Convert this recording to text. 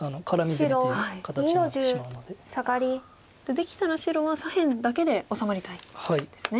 できたら白は左辺だけで治まりたいんですね。